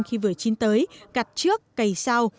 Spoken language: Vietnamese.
khi vừa chín tới cặt trước cày sau